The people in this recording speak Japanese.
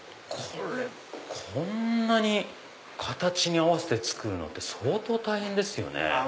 こんなに形に合わせて作るのって相当大変ですよね。